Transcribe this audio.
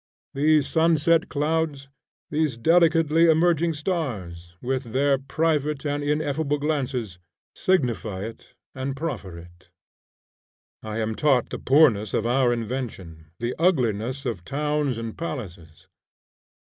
These sunset clouds, these delicately emerging stars, with their private and ineffable glances, signify it and proffer it. I am taught the poorness of our invention, the ugliness of towns and palaces.